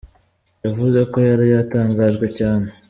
Yavuze ko yari yatangajwe cyane.